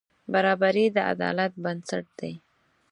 برابري د عدالت بنسټ دی.